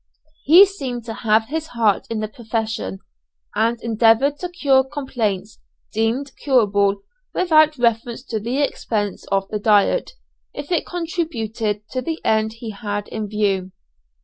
He seemed to have his heart in the profession, and endeavoured to cure complaints deemed curable without reference to the expense of the diet, if it contributed to the end he had in view.